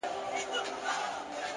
مثبت فکرونه انرژي زیاتوي.!